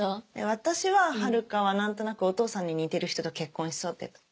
私は遥は何となくお父さんに似てる人と結婚しそうって言った。